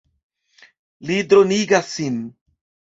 Li dronigas sin.